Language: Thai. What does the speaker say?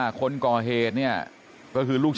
ไปรับศพของเนมมาตั้งบำเพ็ญกุศลที่วัดสิงคูยางอเภอโคกสำโรงนะครับ